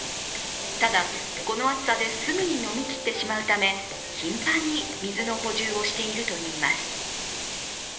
ただ、この暑さですぐに飲みきってしまうため、頻繁に水の補充をしているといいます。